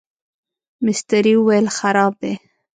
مستري وویل خراب دی.